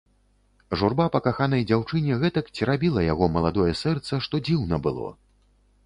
Журба па каханай дзяўчыне гэтак церабіла яго маладое сэрца, што дзіўна было.